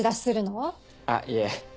あっいえ。